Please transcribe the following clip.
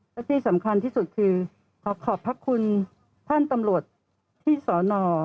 และที่สำคัญที่สุดคือขอขอบพระคุณท่านตำรวจที่สอนอ